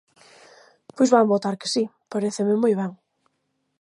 Pois van votar que si, paréceme moi ben.